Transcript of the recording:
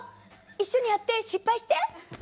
一緒にやって失敗して。